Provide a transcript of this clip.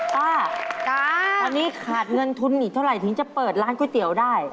ป้าวันนี้ขาดเงินทุนอีกเท่าไหร่ถึงจะเปิดร้านก๋วยเตี๋ยวได้